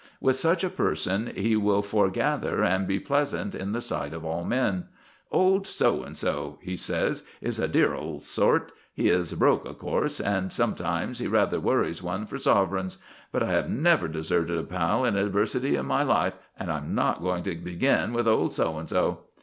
With such a person he will foregather and be pleasant in the sight of all men. "Old So and so," he says, "is a dear old sort. He is broke, of course, and sometimes he rather worries one for sovereigns. But I have never deserted a pal in adversity in my life, and I am not going to begin with Old So and so."